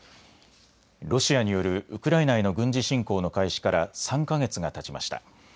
ロシアによるウクライナへの軍事侵攻の開始から３か月がたちました。